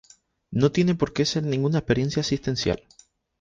No tiene porque ser ninguna experiencia existencial".